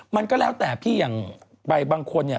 มันก็แล้วแต่พี่อย่างใบบางคนเนี่ย